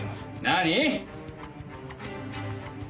何？